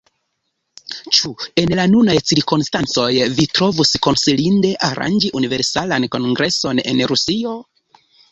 Ĉu en la nunaj cirkonstancoj vi trovus konsilinde aranĝi Universalan Kongreson en Rusio?